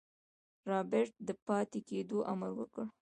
رابرټ د پاتې کېدو امر وکړ.